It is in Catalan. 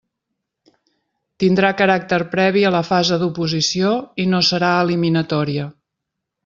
Tindrà caràcter previ a la fase d'oposició i no serà eliminatòria.